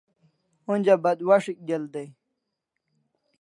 Onja batwas'ik del dai